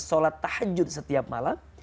solat tahajud setiap malam